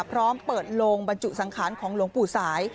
พร้อมเปิดโลงบรรจุสังขารของหลวงปู่สาย